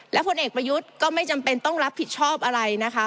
และผลเอกประยุทธ์ก็ไม่จำเป็นต้องรับผิดชอบอะไรนะคะ